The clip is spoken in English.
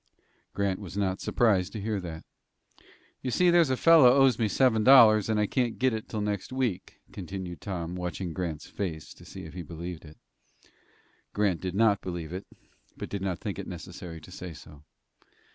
Grant was not surprised to hear that. "You see, there's a feller owes me seven dollars, and I can't get it till next week," continued Tom, watching Grant's face to see if he believed it. Grant did not believe it, but did not think it necessary to say so.